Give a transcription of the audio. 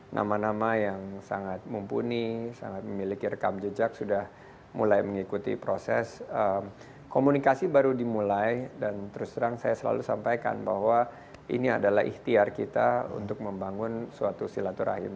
nama nama yang sangat mumpuni sangat memiliki rekam jejak sudah mulai mengikuti proses komunikasi baru dimulai dan terus terang saya selalu sampaikan bahwa ini adalah ikhtiar kita untuk membangun suatu silaturahim